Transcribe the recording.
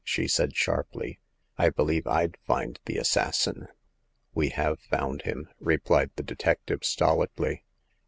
she said, sharply ;I believe Yd find the assassin." We have found him," replied the detective, stolidly.